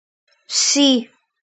See.